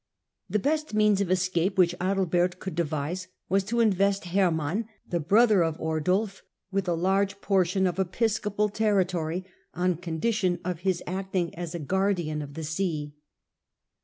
The best means of escape which Adalbert could devise was to invest Herman, the brother of Ordulf, with a large portion of episcopal territory, on condition of his acting as a guardian of the see.